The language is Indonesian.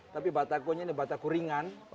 tapi batakunya ini bataku ringan